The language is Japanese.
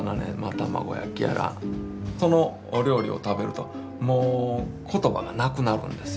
そのお料理を食べるともう言葉がなくなるんですよ。